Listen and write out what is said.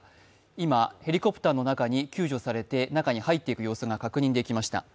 今、ヘリコプターの中に救助されて中に入っていく様子が確認できました。